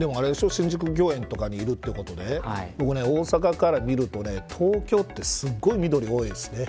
新宿御苑とかにいるってことで大阪から見ると東京はすごい緑多いですね。